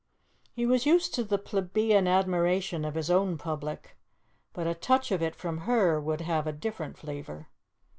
He was used to the plebeian admiration of his own public, but a touch of it from her would have a different flavour.